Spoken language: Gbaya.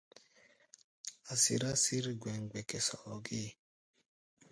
A̧ sirá sǐr gbɛmgbɛkɛ sɔɔ gée.